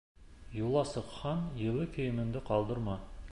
Юлға сыҡһаң, йылы кейемеңде ҡалдырма.